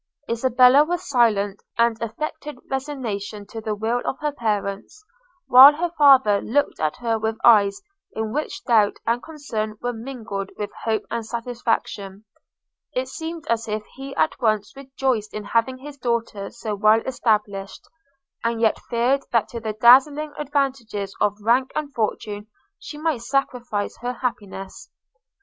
Isabella was silent, and affected resignation to the will of her parents; while her father looked at her with eyes in which doubt and concern were mingled with hope and satisfaction. It seemed as if he at once rejoiced in having his daughter so well established, and yet feared that to the dazzling advantages of rank and fortune she might sacrifice her happiness.